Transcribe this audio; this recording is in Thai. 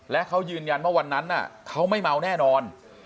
และเขายืนยันว่าวันนั้นเขาไม่เมาแน่นอน